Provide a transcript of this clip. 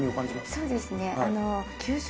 そうですねあの。